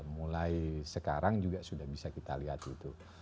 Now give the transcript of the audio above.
mulai sekarang juga sudah bisa kita lihat itu